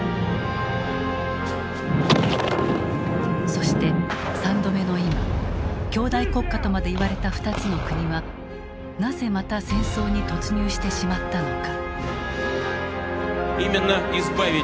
そして３度目の今兄弟国家とまで言われた２つの国はなぜまた戦争に突入してしまったのか。